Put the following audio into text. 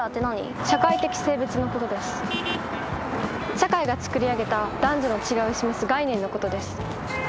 社会が作り上げた男女の違いを示す概念のことです。